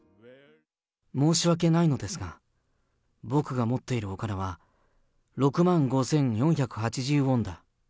申し訳ないのですが、僕が持っているお金は６万５４８０ウォンだ。